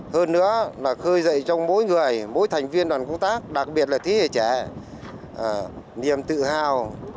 hơn nữa là khơi dậy trong mỗi người mỗi thành viên đoàn công tác đặc biệt là thế hệ trẻ niềm tự hào